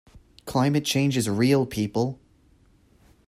Climate change is real, people.